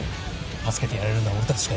助けてやれるのは俺たちしかいない。